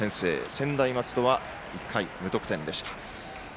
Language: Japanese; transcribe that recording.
専大松戸は１回、無得点でした。